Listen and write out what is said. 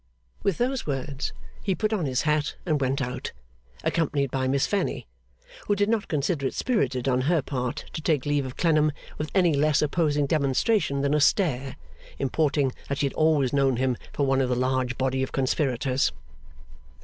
With those words he put on his hat and went out, accompanied by Miss Fanny; who did not consider it spirited on her part to take leave of Clennam with any less opposing demonstration than a stare, importing that she had always known him for one of the large body of conspirators.